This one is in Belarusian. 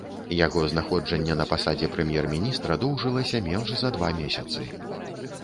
Яго знаходжанне на пасадзе прэм'ер-міністра доўжылася менш за два месяцы.